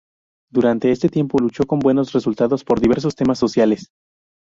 Durante este tiempo luchó, con buenos resultados, por diversos temas sociales.